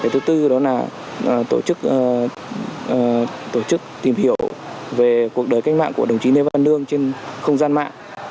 thứ bốn đó là tổ chức tìm hiểu về cuộc đời cách mạng của đồng chí lê văn lương trên không gian mạng